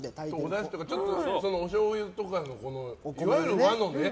おだしとかおしょうゆとかのいわゆる和のね。